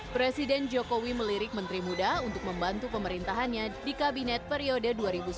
presiden jokowi melirik menteri muda untuk membantu pemerintahannya di kabinet periode dua ribu sembilan belas dua ribu dua